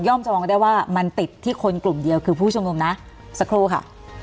จะมองได้ว่ามันติดที่คนกลุ่มเดียวคือผู้ชุมนุมนะสักครู่ค่ะ